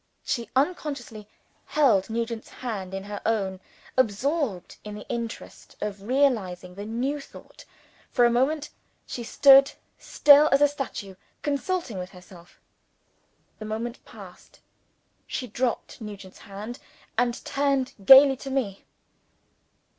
She unconsciously held Nugent's hand in her own, absorbed in the interest of realizing the new thought. For a moment, she stood, still as a statue, consulting with herself. The moment passed, she dropped Nugent's hand, and turned gaily to me.